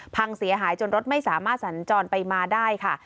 พังเสียหายจนรถไม่สามารถสัญจรไปมาได้ค่ะ